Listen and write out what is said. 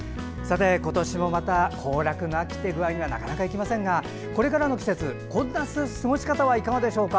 今年もまた行楽の秋というわけにはなかなかいきませんがこれからの季節こんな過ごし方はいかがでしょうか？